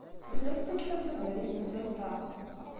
Tella tettakf-as azal i temsalt-a.